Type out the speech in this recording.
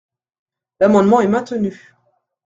L’amendement est maintenu.